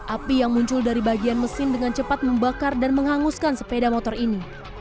api yang muncul dari bagian mesin dengan cepat membakar dan menghanguskan sepeda motor ini